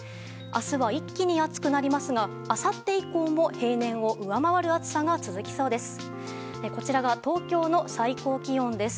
明日は、一気に暑くなりますがあさって以降も平年を上回る暑さが続きそうです。